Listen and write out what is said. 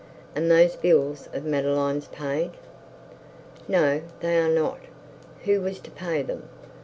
'Are those bills of Madeline's paid?' 'No, they are not. Who was to pay them?'